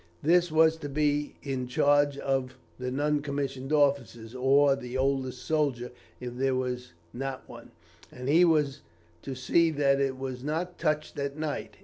This was to be in charge of the non commissioned officer, or the oldest soldier if there was not one, and he was to see that it was not touched at night.